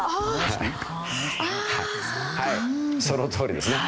はいそのとおりですね。